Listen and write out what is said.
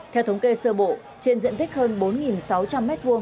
theo thống kê sơ bộ trên diện tích hơn bốn sáu trăm linh m hai